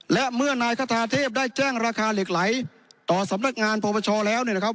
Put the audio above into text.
และเมื่อนายคาทาเทพได้แจ้งราคาเหล็กไหลต่อสำนักงานปรปชแล้วเนี่ยนะครับ